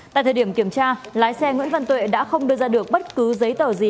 tại thời điểm kiểm tra lái xe nguyễn văn tuệ đã không đưa ra được bất cứ giấy tờ gì